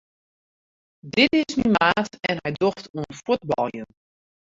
Dit is myn maat en hy docht oan fuotbaljen.